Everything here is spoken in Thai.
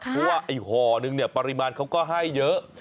เพราะว่าไอ้ห่อนึงเนี่ยปริมาณเขาก็ให้เยอะ